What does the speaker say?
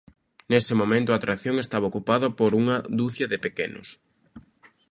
Nese momento a atracción estaba ocupada por unha ducia de pequenos.